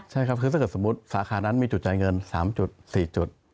ใช่ครับคือถ้าเกิดสมมุติสาขานั้นมีจุดจ่ายเงิน๓๔จุด